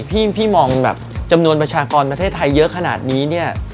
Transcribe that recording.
พี่มองจำนวนประชากรประเทศไทยเยอะขนาดนี้